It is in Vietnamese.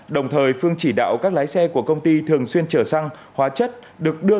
đồng thời phương chỉ đạo các lái xe của công ty thường xuyên chở xăng hóa chất được đưa